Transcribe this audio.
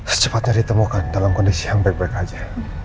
secepatnya ditemukan dalam kondisi yang baik baik saja